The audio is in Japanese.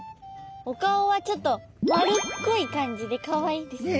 お顔はちょっと丸っこい感じでかわいいですね。